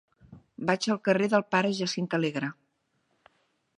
Vaig al carrer del Pare Jacint Alegre.